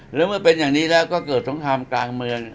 หรือเมื่อเป็นอย่างนี้แล้วก็เกิดสงครามกลางเมือง